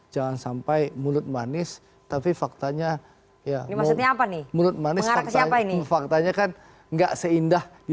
jangan sampai mulut manis tapi faktanya ya mulut manis apa ini faktanya kan enggak seindah di